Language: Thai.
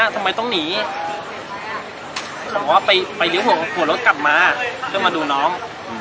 ก็ได้ไปหนีไปหลิ้วหัวรถกลับมามาดูน้อง